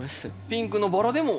ピンクのバラでも。